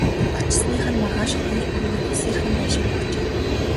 Очсоных нь маргааш хоёр өрөө эвсээрхэн байшин өгчээ.